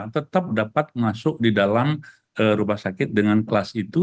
tetap dapat masuk di dalam rumah sakit dengan kelas itu